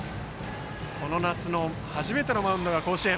この夏の初めてのマウンドが甲子園。